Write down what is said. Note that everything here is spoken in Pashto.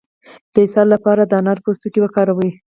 د اسهال لپاره د انارو پوستکی وکاروئ